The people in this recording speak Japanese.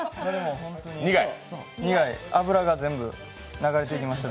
苦い、脂が全部流れていきました。